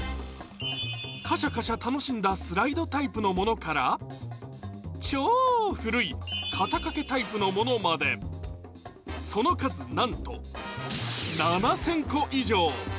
カシャカシャ楽しんだスライドタイプのものから、超古い肩掛けタイプのものまでその数、なんと７０００個以上！